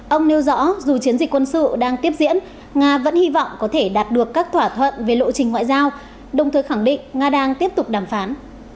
ông nêu rõ dù chiến dịch quân sự đang tiếp diễn nga vẫn hy vọng có thể đạt được các thỏa thuận về lộ trình ngoại giao đồng thời khẳng định nga đang tiếp tục đàm phán